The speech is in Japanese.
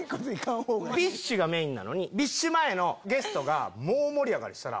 ＢｉＳＨがメインなのにＢｉＳＨ前のゲストが大盛り上がりしたら。